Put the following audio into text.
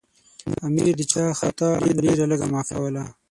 امیر د چا خطا ډېره لږه معافوله.